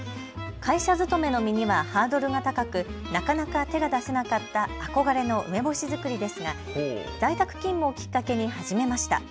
会社勤めの身にはハードルが高くなかなか手が出せなかった憧れの梅干し作りですが在宅勤務をきっかけに始めました。